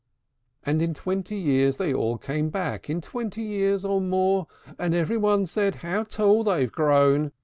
VI. And in twenty years they all came back, In twenty years or more; And every one said, "How tall they've grown!